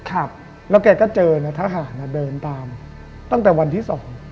แล้วก็เจอทหารเดินตามตั้งแต่วันที่สอง